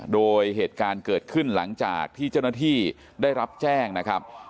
โดยเหตุการณ์เกิดขึ้นหลังจากที่เจ้าหน้าที่ได้รับแจ้งนะครับ